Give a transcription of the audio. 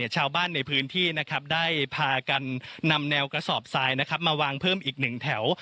ชาวบ้านในพื้นที่นะครับได้พากันนำแนวกระสอบทรายมาวางเพิ่มอีกหนึ่งแถว